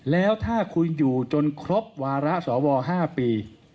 แล้วถ้าคุณอยู่จนครบวาระสว๕ปี